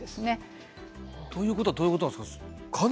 ということはどういうことなんですか？